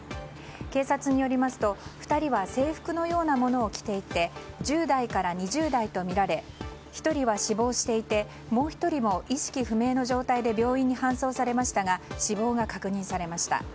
警察によりますと、２人は制服のようなものを着ていて１０代から２０代とみられ１人は死亡していてもう１人も意識不明の状態で病院に搬送されましたが死亡が確認されました。